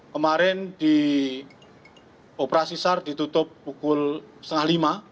kemarin di operasi sar ditutup pukul setengah lima